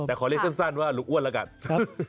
แต่ขอเรียกสั้นว่าลุงอ้วนแล้วกัน